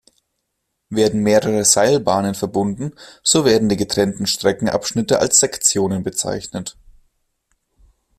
Werden mehrere Seilbahnen verbunden, so werden die getrennten Streckenabschnitte als Sektionen bezeichnet.